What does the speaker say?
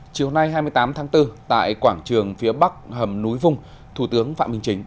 chiều nay hai mươi tám tháng bốn tại quảng trường phía bắc hầm núi vung thủ tướng phạm minh chính